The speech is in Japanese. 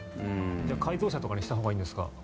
じゃあ、改造車とかにしたほうがいいんですか？